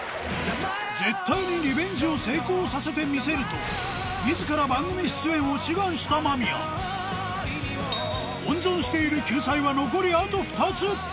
絶対にリベンジを成功させてみせるとした間宮温存している救済は残りあと２つ